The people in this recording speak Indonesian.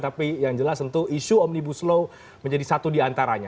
tapi yang jelas tentu isu omnibus law menjadi satu di antaranya